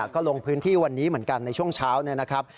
ก็ลงพื้นที่วันนี้เหมือนกันในช่วงเช้านะครับ